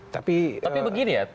tapi begini ya